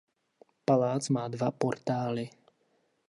Palác má dva portály.